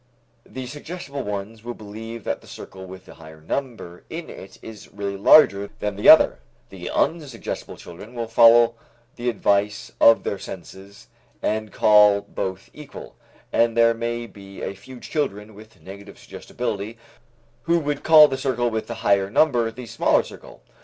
The suggestible ones will believe that the circle with the higher number in it is really larger than the other, the unsuggestible children will follow the advice of their senses and call both equal, and there may be a few children with negative suggestibility who would call the circle with the higher number the smaller circle.